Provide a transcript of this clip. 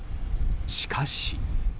しかし。